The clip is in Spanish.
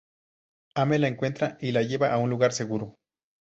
Ame la encuentra y la lleva a un lugar seguro.